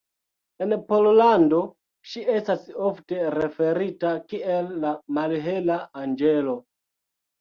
En Pollando, ŝi estas ofte referita kiel "la malhela anĝelo".